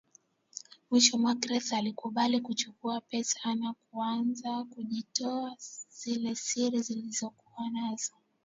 Mwisho Magreth alikubali kuchukua pes ana kuanza kjutoa zile siri lizokuwa nazo